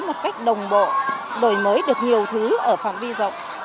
một cách đồng bộ đổi mới được nhiều thứ ở phạm vi rộng